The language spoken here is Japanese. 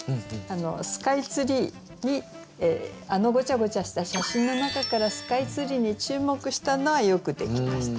スカイツリーにあのごちゃごちゃした写真の中からスカイツリーに注目したのはよくできました。